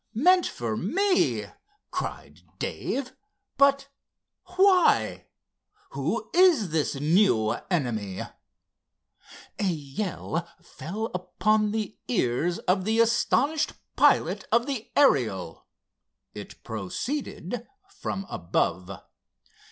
"Meant for me!" cried Dave, "but why? Who is this new enemy——" A yell fell upon the ears of the astonished pilot of the Ariel. It proceeded from above.